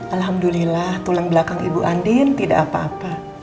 alhamdulillah tulang belakang ibu andin tidak apa apa